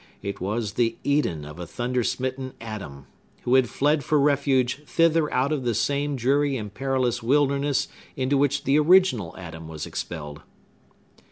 It was the Eden of a thunder smitten Adam, who had fled for refuge thither out of the same dreary and perilous wilderness into which the original Adam was expelled.